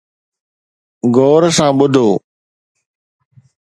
غور سان ٻڌو